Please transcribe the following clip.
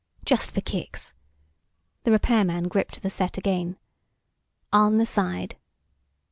"Just for kicks...." the repairman gripped the set again. "On the side...."